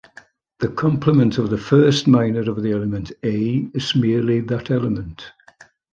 The complement of the first minor of an element "a" is merely that element.